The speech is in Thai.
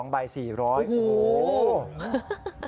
ใบ๔๐๐โอ้โห